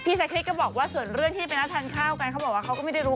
ชาคริสก็บอกว่าส่วนเรื่องที่ไปนัดทานข้าวกันเขาบอกว่าเขาก็ไม่ได้รู้